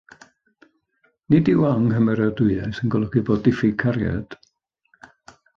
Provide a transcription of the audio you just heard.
Nid yw anghymeradwyaeth yn golygu bod diffyg cariad.